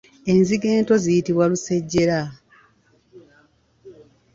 Enzige ento ziyitibwa lusejjera.